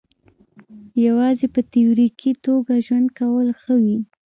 یوازې په تیوریکي توګه ژوند کول ښه وي.